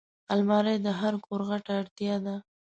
الماري د هر کور غټه اړتیا ده